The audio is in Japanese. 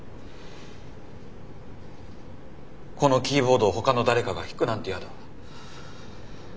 このキーボードをほかの誰かが弾くなんて嫌だ。